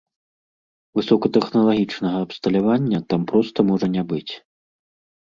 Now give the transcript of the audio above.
Высокатэхналагічнага абсталявання там проста можа не быць.